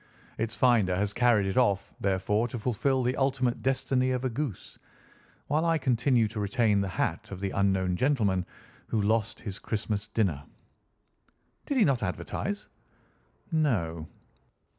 Its finder has carried it off, therefore, to fulfil the ultimate destiny of a goose, while I continue to retain the hat of the unknown gentleman who lost his Christmas dinner." "Did he not advertise?" "No."